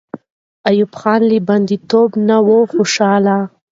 ایوب خان له بندي توبه نه وو خوشحاله.